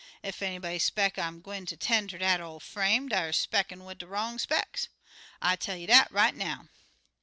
Ef anybody 'speck I'm gwine ter 'ten' ter dat ol' frame, deyer 'speckin' wid de wrong specks, I tell you dat right now.'